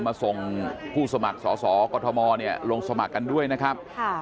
มาส่งผู้สมัครสอสอกอทมเนี่ยลงสมัครกันด้วยนะครับ